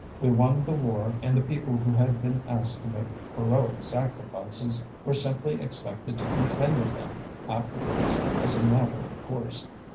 We won the war and the people who had been asked to make heroic sacrifices were simply expected to continue them afterwards as a matter of course.